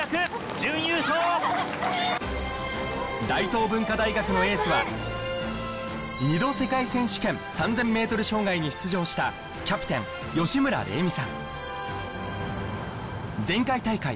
大東文化大学のエースは２度世界選手権３０００ｍ障害に出場したキャプテン前回大会